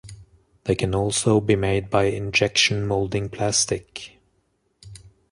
They can also be made by injection molding plastic.